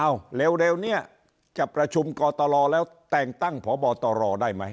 เร็วเนี่ยจะประชุมกตลแล้วแต่งตั้งพบตรได้ไหม